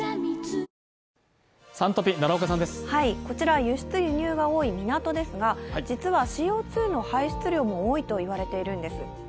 こちらは輸出、輸入が多い港ですが、実はＣＯ２の排出量も多いといわれているんです。